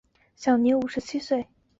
享年五十七岁。